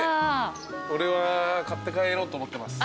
俺は買って帰ろうと思ってます。